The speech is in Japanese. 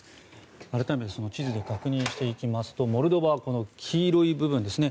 改めて地図で確認しますとモルドバは黄色い部分ですね。